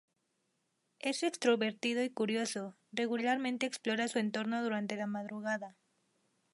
Es extrovertido y curioso, regularmente explora su entorno durante la madrugada.